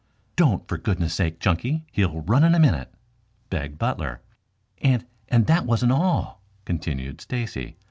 "Don't, for goodness' sake, Chunky. He'll run in a minute," begged Butler. "And and that wasn't all," continued Stacy.